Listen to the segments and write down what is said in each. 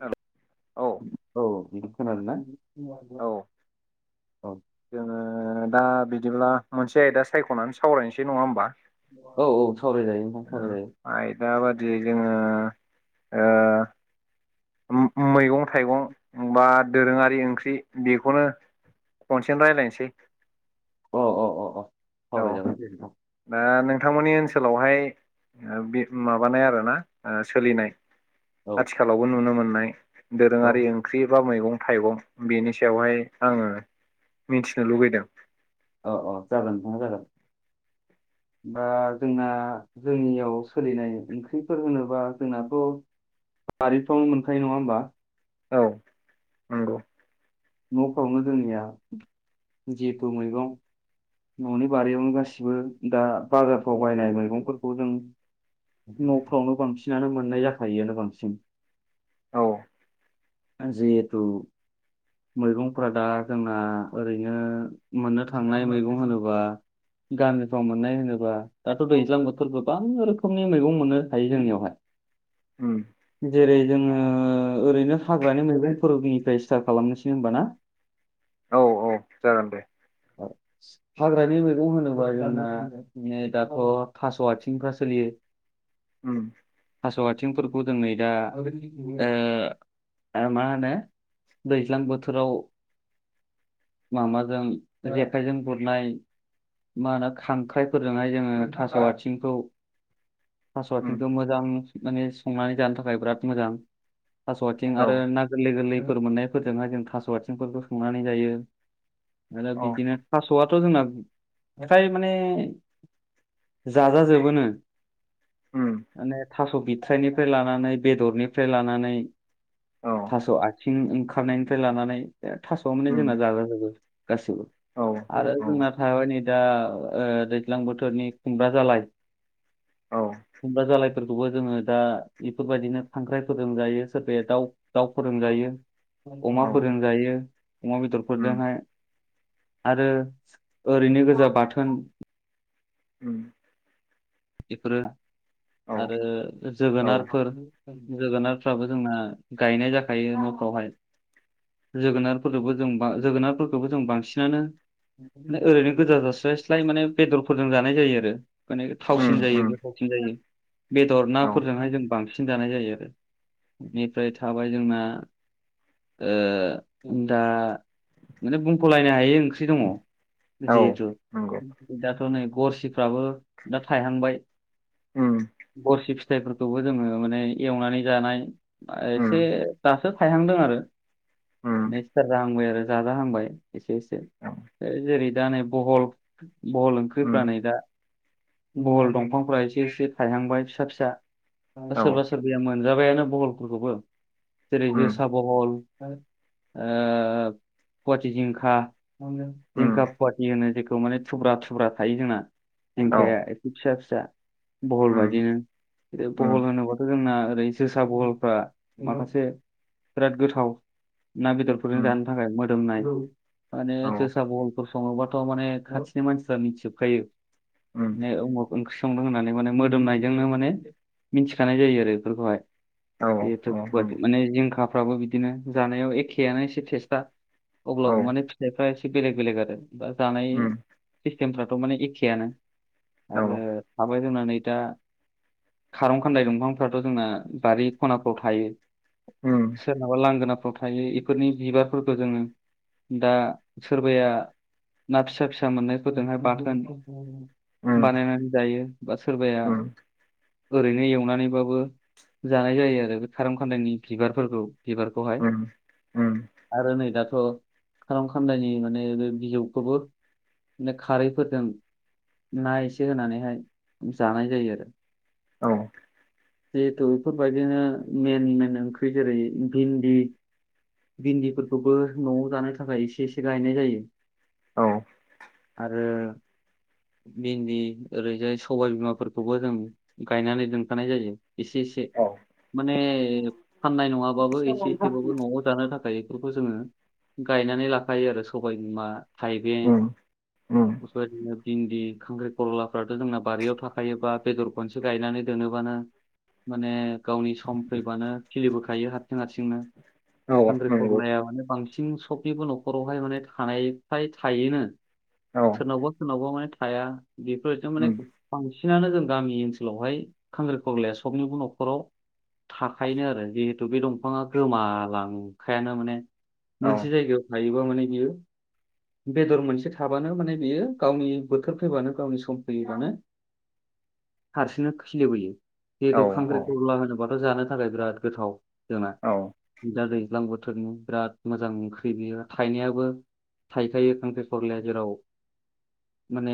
औ औ बिदि खोनादों ना? औ जोङो दा बिदिब्ला मोनसे आयदा सायख'नानै सावरायनोसै नङा होमबा औ औ सावरायजायो नोंथां सावरायजायो आयदा बादि जोङो ओ उम उम मैगं थाइगं बा दोरोङारि ओंख्रि बेखौनो खनसेनो रायलायनोसै अ अ अ अ ह औ जागोन दे नोंथां दा नोंथांमोननि ओनसोलावहाय ओ माबानाय आरोना ओ सोलिनाय औ आथिखालावबो नुनो मोन्नाय औ दोरोङारि ओंख्रि बा मै गं थाइगं बेनि सायावहाय आङो मिथिनो लुबैदों। औ औ जागोन नोंथां जागोन। [inaudible] बा जोंना जोंनियाव सोलिनाय ओंख्रिफोर होनोबा जोंनाथ' बारिफ्रावनो मोनखायो नङा होमबा औ नंगौ। न'फ्रावनो जोंनिया जेहेथु मैगं न'नि बारियावनो गासिबो दा बाजारफ्राव बायनाय मैगंफोरखौ जों न'फ्रावनो बांसिनानो मोननाय जाखायोआनो बांसिन औ ओं जेहेतु मैगंफ्रा दा जोंना ओरैनो मोननो थांनाय मैगं होनोबा गामिफ्राव मोननाय होनोब्ला दाथ' दैज्लां बोथोरबो गोबां रोखोमनि मैगं मोननो हायो जोंनियावहाय उम जेरै जोङो ओरैनो हाग्रानि मैगंफोरनिफ्राय स्टार्ट खालामनोसै होमबा ना औ औ जागोन दे आठसा हाग्रानि मैगं होनोबा जोंना दाथ' थास' आथिंफ्रा सोलियो। [inaudible] ओम थास' आथिंफोरखौ जों नै दा मा होनो दैज्लां बोथोराव माबाजों जेखाइजों गुरनाय मा होनो खांख्राइफोरजोंहाय जोङो थास' आथिंखौ उम थास'आथिंखौ मोजां माने संनानै जानो थाखाय बिराद मोजां थास' आथिं औ आरो ना गोरलै गोरलै मोननायफोरजोंहाय जों थास' आथिंफोरखौ संनानै जायो आरो औ बिदिनो आथ' जोंना फ्राय माने जाजाजोबोनो उम माने थास' बिथ्राइनिफ्राय लानानै बेदरनिफ्राय लानानै औ थास' आथिं ओंखारनायनिफ्राय लानानै बे थास'वा माने जोंना उम जाजाजोबो गासिबो औ आरो औ जोंना हाबाय नै दा ओ दैज्लां बोथोरनि खुमब्रा जालाय औ खुमब्रा जालायफोरखौबो जोङो दा बेफोरबायदिनो खांख्राइ फोरजों जायो सोरबाया दाउ दाउफोरजों जायो। जायो औ अमाफोरजों जायो अमा उम बेदरफोरजोंहाय आरो ओरैनो गोजा बाथोन ओम बेफोरो औ आरो औ जोगोनारफोर जोगोनारफ्राबो जोंना गायनाय जाखायो न'फ्रावहाय जोगोनारफोरबो जों जोगोनारफोरखौबो जों बांसिनानो ओरैनो गोजा जास्लाय स्लाय माने बेदरफोरजों जानाय जायो आरो माने उम थावसिन जायो उम गोथावसिन जायो बेदर औ नाफोरजोंहाय जों बांसिन सिन जानाय जायो आरो बेनिफ्राय थाबाय जोंना ओ दा माने बुंख'लायनो हायो ओंख्रि दङ औ जिहेथु नंगौ दाथ' नै गरसिफ्राबो दा थायहांबाय ओम गरसि फिथाइफोरखौबो जोङो माने एवनानै जानाय उम एसे दासो थायहांदों आरो उम सिथार जाहांबाय आरो जाजाहांबाय एसे एसे औ जेरै दा नै बहल बहल उम ओंख्रिफ्रा नै दा बहल दंफांफोरा एसे एसे थायहांबाय फिसा फिसा औ सोरबा सोरबाया मोनो। मोनजाबायानो बहलफोरखौबो जेरै उम जोसा बहल ओ पुवाटि जिंखा जिंखा उम पुवाथि होनो जे खौ माने थुब्रा थुब्रा थायो जोंना औ जिंखाया एसे फिसा फिसा बहल उम बादिनो बहल उम होनोबाथ' जोंना ओरै जोसा बहलफ्रा माखासे बिराद गोथाव ना बेदरफोरनो उम जानो थाखाय मोजां। मोदोमनाय माने औ जोसा बहलफोर सङोबाथ' माने खाथिनि मानसिफ्रा मिथिजोबखायो उम माने अमुग ओंख्रि संदों होननानै माने मोदोमनायजोंनो माने मिथिखानाय जायो आरो बेफोरखौहाय औ औ नंगौ बेथ' माने जिंखाफ्राबो बिदिनो जानायाव एखेयानो एसे टेस्टा औ अब्लाबो माने फिथाइफ्रा एसे बेलेग बेलेग आरो बा जानाय। उम सिस्टेमफ्राथ' माने एखेयानो औ आरो थाबाय जोंना नै दा खारं खान्दाय दंफांफ्राथ' जोंना बारि खनाफ्राव थायो औ बा लांगोनाफ्राव थायो बेफोरनि बिबारफोरखौ जोङो दा सोरबाया ना फिसा फिसा मोननायफोरजोंहाय बाथोन उम बानायनानै जायो बा सोरबाया उम ओरैनो एवनानैबाबो जानाय जायो आरो बे खारं खान्दायनि बिबारफोरखौ बिबारखौहाय उम उम आरो नै दाथ' खार खान्दनि माने बे बिजौखौबो बिनो खारैफोरजों ना एसे होनानैहाय जानाय जायो आरो औ जिहेथु बेफोरबायदिनो मेन मेन ओंख्रि जेरै भिन्दि भिन्दिफोरखौबो न'आव जानो थाखाय एसे एसे गायनाय जायो औ आरो भिन्दि ओरैजाय सबाय बिमाफोरखौबो जों गायनानै दोनखानाय जायो एसे एसे औ माने फाननाय नङाबाबो एसे एसेबाबो न'आव जानो थाखाय बेफोरखौ जोङो गायनानै लाखायो आरो सबाय बिमा थाइबें उम उम बिदिनो भिन्दि बि खांख्रि खरलाफ्राथ' जोंना बारियाव थाखायोबा बेदर खनसे गायनानै दोनोबानो माने गावनि सम फैबानो खिलिबोखायो हारसिं हारसिंनो औ खांखिरि नंगौ खबलाया माने बांसिन सबनिबो न'खरावहाय माने थानाय फ्राय थायोनो औ सोरनावबा सोरनावबा ' माने थाया बेफोरजों माने उम बांसिनानो जों गामि ओनसोलावहाय खांखिरा खलाया सबनिबो न'खर [inaudible] थाखायनो आरो जिहेथु बे दंफाङा गोमालांखायानो माने औ मोनसे जायगायाव थायोबा माने बियो बेदर मोनसे थाबानो माने बेयो गावनि बोथोर फैबानो गावनि सम फैयोबानो हारसिंनो खिलिबोयो बेदर औ खांख्र्रि‌ औ खला होनोबाथ' जानो थाखाय बिराद गोथाव जोंना औ दा दै दैज्लां बोथोरनि बिराद मोजां ओंख्रि बेयो थाइनायाबो थाइखायो खांख्रि खरलाया जेराव माने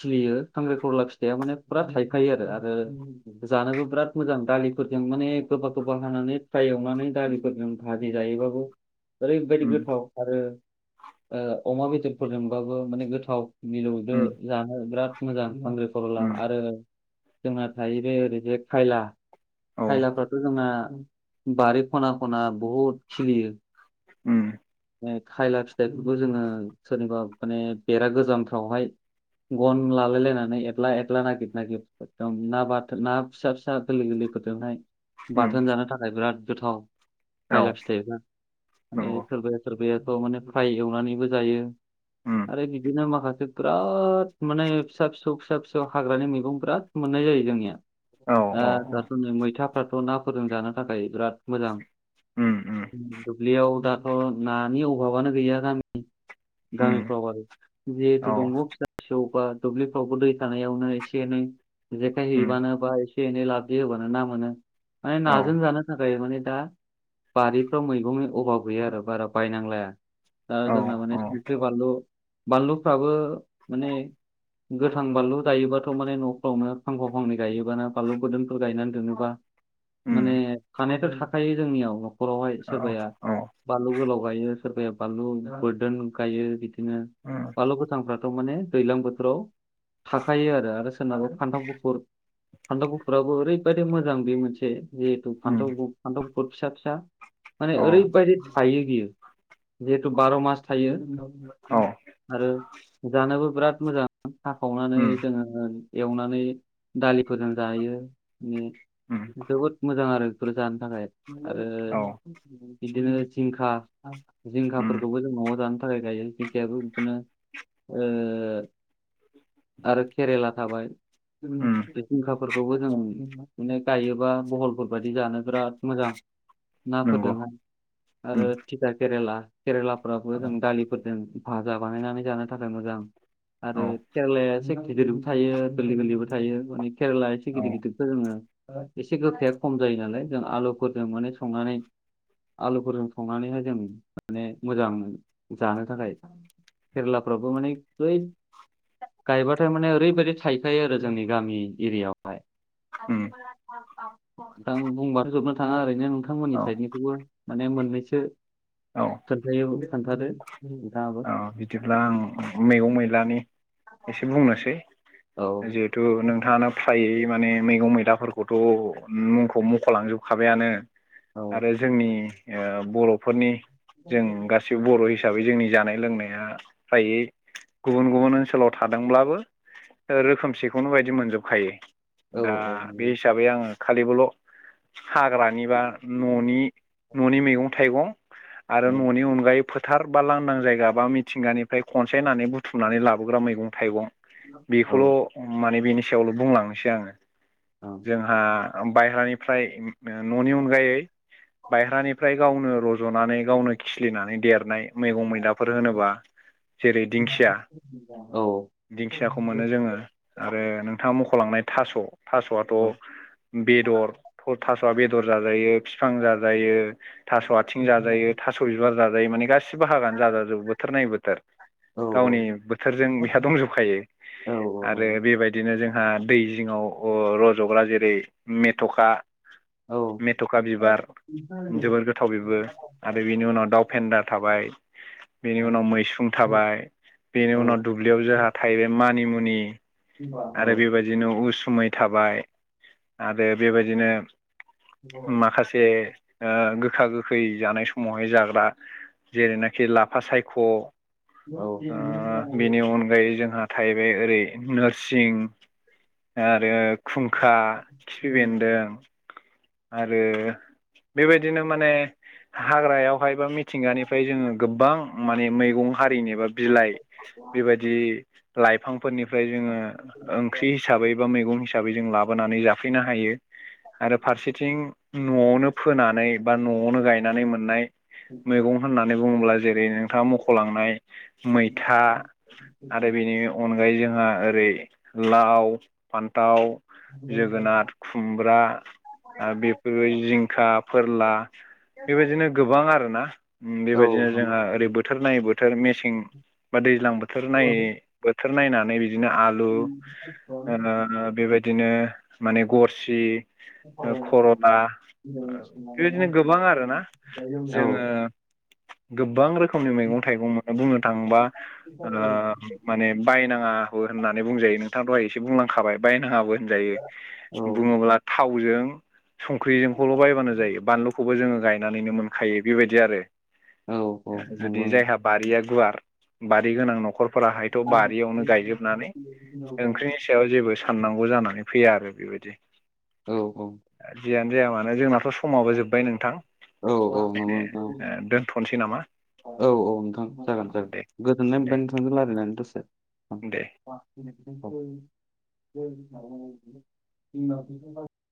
सलियो खांगिरि खला फिथाया माने फुरा थायो। थाखायो आरो आरो जानोबो बिराद मोजां दालिफोरजों माने गोबा गोबा हानानै फाराय एवनानै दालिफोरजों भाजि जायो बाबु ओरैबायदि उम गोथाव आरो अमा बेदरफोरजोंबाबो माने गोथाव। मिलौदो उम जानो बिराद मोजां खांगिरि खरला उम आरो जोंना थाहैबाय ओरै बे खायला औ खायलाफ्राथ' जोंना। बारि खना खना बहुत खिलियो उम खायला फिथाइफोरखौ जोङो सोरनिबा माने बेरा गोजामफ्रावहाय। गन लालाय लायनानै एक्ला एख्ला नागिर नागिर एदम ना बाथो ना फिसा फिसा गोरलै गोरलै ओजोंहाय उम बाथोन जानो थाखाय बिराद गोथाव औ खायलाब फिथाइफ्रा माने नंगौ सोरबाया सोरबायाथ' माने फ्राइ एवनानैबो जायो उम आरो बिदिनो माखासे बिराद माने फिसा फिसौ फिसा फिसौ हाग्रानि मैगं बिराद मोनो। जोंनि औ द औ दाथ' नै मैथा। नाफोरजों ना जानो थाखाय बिराद मोजां उम उम दुब्लियाव दा नानि अभाबानो गैया गामि उम गामिफ्राव आरो जिहेथु औ दंग' फिसा फिसौ बा दुब्लिफ्रावबो दै थानायावनो एसे एनै जेखाय उम हैबानो। होनोबा एसे एनै लाबदि होबानो ना मोनो माने औ नाजों जानो थाखाय माने दा बारिफ्राव मैगंनि अभाब गैया आरो बारा बायनांलाया दा औ जोंना माने औ बानलु बानलुफ्राबो माने। गोथां बानलु गायोबाथ' माने न'फ्रावनो फांफाव फांनै गायोबानो बानलु गोदोनफोर गायनानै दोनोबा। उम माने थानायफोर थाखायो जोंनियाव न'खरावहाय औ सोरबाया औ बानलु गोलाव गायो। बानलु बोरडोन गायो बिदिनो। उम बानलु गोथांफ्राथ' माने दैज्लां बोथोराव। थाखायो आरो आरो सोरनाबा फान्थाव गुफुर फानथावन गुफुराबो ओरैबायदि मोजां बे मोनसे जिहेथु उम फान्थाव फान्थाव गोफोद फिसा फिसा माने औ ओरैबायदि थायो बियो जिहेथु बार' मास थायो औ आरो जानोबो बिराद मोजां हाखावनानै उम जोङो एवनानै दालिफोरजों जायो उम जोबोद मोजां आरो बेफोर जानो थाखाय औ आरो बिदिनो जिंखा उम जिंखाफोरखौबो जों न'आव जानो थाखाय गायो जिंखायाबो बिदिनो। ओ आरो केरेला थाबाय उम जिंखाफोरखौबो जों माने गायोबा बहलफोर बायदि जानो बिराद मोजां। ना नंगौ फोरदोंहाय। उम आरो थिथा केरेला केरेलाफ्राबो जों औ दालिफोरजों भाजा बानायनानै जानो थाखाय मोजां। आरो औ केेरेलाया सि गिदिरबो थायो गोरलै गोरलैबो थायो माने केरेलाया सि औ गिदिर गिदिरखो जोङो। एसे गोखाया खम जायो नालाय जों आलुफोरजों माने संनानै आलुफोरजों। संनानैहाय जों माने मोजां जानो थाखाय केरेलाफ्रावबो माने बै। गायबाथाय माने ओरैबायदि थायखायो आरो जोंनि गामि एरियाआवहाय उम दां बुंबाथ' जोबनो थाङा ओरैनो नोंथांमोननि औ साइदनिखौबो माने मोननैसो। [unintelligible] औ खोनथादो नोंथाङाबो अ बिदिब्ला आं मैगं मैलानि एसे बुंनोसै औ जिहेथु नोंथाङानो फ्रायै माने मैगं मैलाफोरखौ खौथ' मुंखौ मख'लांजोबखाबायानो औ आरो जोंनि। ओ बर'फोरनि जों गासिबो बर' हिसाबै जोंनि जानाय लोंनाय। फ्रायै गुबुन गुबुन ओनसोलाव थादोंब्लाबो रोखोमसेखौनो बायदि मोनजोबखायो औ दा बे हिसाबै आङो खालिबोल' हाग्रानि बा न'नि न'नि मैगं थाइगं आरो औ न'नि अनगायैबो फोथार बा लांदां जायगा बा मिथिंगानिफ्राय खनसायनानै बुथुमनानै लाबोग्रा मैगं-थाइगं औ बेखौल' माने बेनि सायावल' बुंलांनोसै आङो जोंहा बायहानिफ्राय न'नि अनगायै बायह्रानिफ्राय गावनो रज'नानै गावनो खिलिनानै देरनाय मैगं मैलाफोर होनोबा जेरै दिंखिया औ दिंखियाखौ मोनो जोङो आरो नोंथां नि मख'लांनाय थास' थास'वाथ' औ बेदर थास'आ बेदर जाजायो बिफां जाजायो थास' आथिं जाजायो थास' बिबार जाजायो माने गासि सैबो बाहागोआानो जाजा जोबो बोथोर नायै बो औ गावनि बोथोरजों बिहा दंजोबखायो औ आरो बेबायदिनो जोंहा दै बेजिंआव ओ रज'ग्रा जेरै मेथ'खा औ मेथ'खा बिबार जोबोर गोथाव बिबो आरो बिनि उनाव दाउ फेन्दा थाबाय बेनि उनाव मैसुं थाबाय बेनि उनाव दुब्लियाव जोंहा थाहैबाय मा मानिमुनि नंगौ आरो बेबायदिनो उस‌ मै थाबाय आरो बेबायदिनो माखासे ओ गोखा गोखा खै जानाय समावहाय जाग्रा जेरैनाखि लाफा सायख' ओ बेनि अनगायै जोंहा थाहैबाय ओरै नोरसिं आरो खुंखा खिफि बेन्दों आरो बेबायदिनो माने हाग्रायावहाय बा मिथिंगानिफ्राय जोङो गोबां माने मैगं हारिनि बा बिलाइ बेबायदि लाइफां फोरनिफ्राय जोङो ओंख्रि हिसाबै बा मैगं हिसाबै जों लाबोनानै जाफैनो हायो आरो फारसेथिं न'आवनो फोनानै बा न'आवनो गायनानै मोननाय मैगं होननानै बुङोब्ला जेरै नोंथाङा मख'लांनाय मैथा आरो बेनि अनगायैजों ओओ रै लाव फान्थाव जोगोनार खुमब्रा आरो बेफोरबो जिंखा फोरला बेबायदिनो गोबां आरोना औ बेबायदिनो औ जोंहा औ ओरै बोथोर नायै बोथोर मेसें बा दैज्लां बोथोर नायै बो बोथोर नायनानै बिदिनो आलु ओ बेबायदिनो माने गरसि ओ खरला बेबायदिनो गोबां आरोना नंगौ जोङो गोबां रोखोमनि मैगं थाइगं बुंनो थाङोबा ओ माने बायनाङा होननानै बुंजायो नोंथां दहाय एसे बुंलांखाबाय बायनाङाबो होनजायो औ बुङोब्ला थावजों संख्रिजोंखौल' बायबानो जायो बानलुखौबो जोङो गायनानैनो मोनखायो बेबायदि आरो औ जुदि जायहा बारिया गुवार बारि गोनां न'खर फोराहायथ' बारियावनो गायजोबनानै ओंख्रिनि सायाव जेबो साननांगौ जानानै फैया आरो बेबायदि औ औ जियानो जाया मानो जोंनाथ' समाबो जोबबाय नोंथां औ नंगौ नोंथां दोनथ'नोसै नामा औ औ नोंथां जागोन जागोन दे गोजोननाय दे मोनबाय नोंथांजों रायलायनानै दसे दे [unintelligible] [unintelligible]